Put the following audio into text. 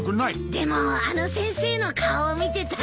でもあの先生の顔を見てたら。